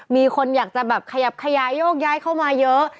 มีคนอยากจะแบบขยับขยายโยกย้ายเข้ามาเยอะ